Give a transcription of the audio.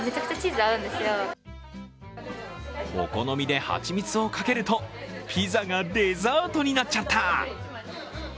お好みで蜂蜜をかけるとピザがデザートになっちゃった。